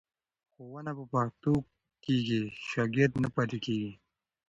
ښوونه په پښتو کېږي، شاګرد نه پاتې کېږي.